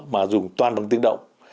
mà dùng toàn bằng tiếng động